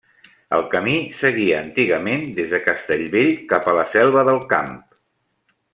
El camí seguia antigament des de Castellvell cap a La Selva del Camp.